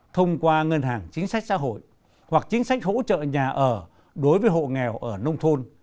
thông qua ngân hàng chính sách xã hội hoặc chính sách hỗ trợ nhà ở đối với hộ nghèo ở nông thôn